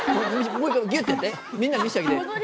もう１回ギュっとやってみんなに見せてあげて。